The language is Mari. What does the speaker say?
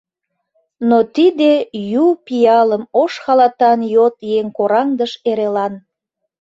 Но тиде ю пиалым Ош халатан йот еҥ кораҥдыш эрелан.